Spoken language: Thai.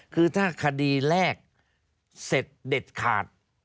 คือถ้าคดีแรกเสร็จเด็ดขาด